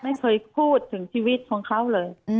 ไม่เคยพูดถึงชีวิตของเขาเลย